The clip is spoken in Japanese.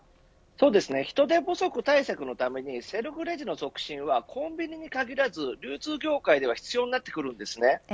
人手不足対策のためにセルフレジの促進はコンビニに限らず流通業界では必要になってくるんですね。